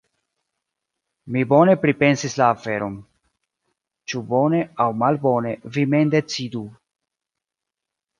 Mi bone pripensis la aferon… ĉu bone aŭ malbone vi mem decidu.